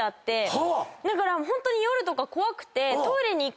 だからホントに夜とか怖くて。